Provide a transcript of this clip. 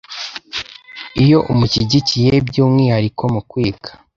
iyo umushyigikiye by’umwihariko mu kwiga,